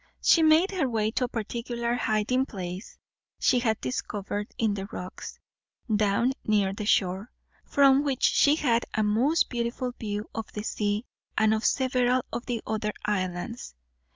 She made her way to a particular hiding place she had discovered, in the rocks, down near the shore; from which she had a most beautiful view of the sea and of several of the other islands.